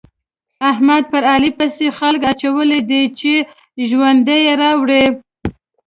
احمد په علي پسې خلګ اچولي دي چې ژوند يې راوړي.